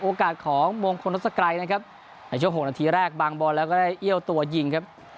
โอกาสของมงคลทศกรัยนะครับในช่วง๖นาทีแรกบางบอลแล้วก็ได้เอี้ยวตัวยิงครับ